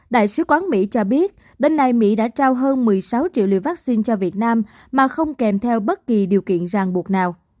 đại sứ quán mỹ cho biết đến nay mỹ đã trao hơn một mươi sáu triệu liều vaccine cho việt nam mà không kèm theo bất kỳ điều kiện ràng buộc nào